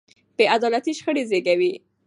بې عدالتي شخړې زېږوي